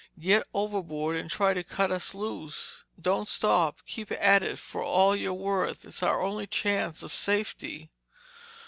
"Get overboard and try to cut us loose. Don't stop! Keep at it for all you're worth. It's our only chance of safety!"